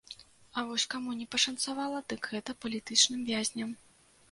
А вось каму не пашанцавала, дык гэта палітычным вязням.